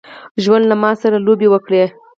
ژوند له ماسره لوبي وکړي.